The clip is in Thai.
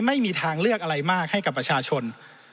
ไม่มีทางเลือกอะไรมากให้กับประชาชน